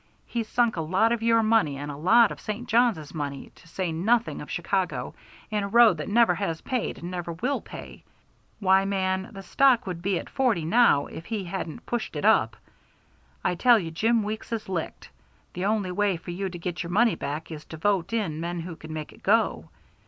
He's sunk a lot of your money and a lot of St. Johns's money, to say nothing of Chicago, in a road that never has paid and never will pay. Why, man, the stock would be at forty now if we hadn't pushed it up. I tell you Jim Weeks is licked. The only way for you to get your money back is to vote in men who can make it go.